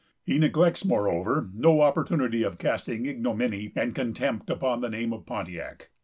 He neglects, moreover, no opportunity of casting ignominy and contempt upon the name of Pontiac.